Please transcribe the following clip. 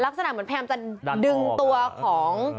ลักษณะแพรมจะดึงตัวของ